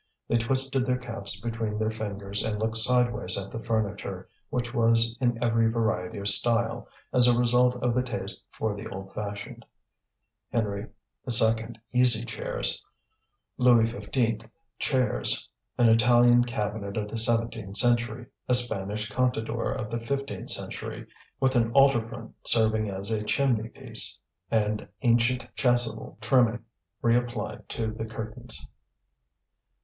They twisted their caps between their fingers, and looked sideways at the furniture, which was in every variety of style, as a result of the taste for the old fashioned: Henry II easy chairs, Louis XV chairs, an Italian cabinet of the seventeenth century, a Spanish contador of the fifteenth century, with an altar front serving as a chimney piece, and ancient chasuble trimming reapplied to the curtains.